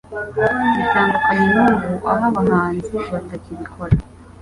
bitandukanye n'ubu aho abahanzi batakibikora